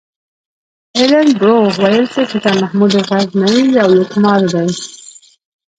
ایلن برو ویل چې سلطان محمود غزنوي یو لوټمار و.